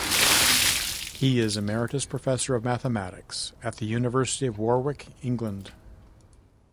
He is Emeritus Professor of Mathematics at the University of Warwick, England.